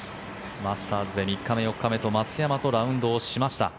マスターズで３日目、４日目と松山とラウンドしました。